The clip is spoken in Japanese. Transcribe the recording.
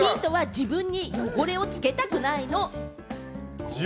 自分に汚れをつけたくない？